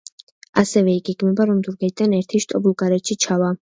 ასევე იგეგმება, რომ თურქეთიდან ერთი შტო ბულგარეთში ჩავა.